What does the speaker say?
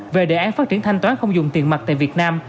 về đề án phát triển thanh toán không dùng tiền mặt tại việt nam